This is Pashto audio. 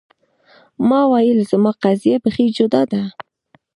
ما ویل زما قضیه بیخي جدا ده.